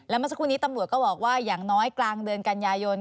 เมื่อสักครู่นี้ตำรวจก็บอกว่าอย่างน้อยกลางเดือนกันยายน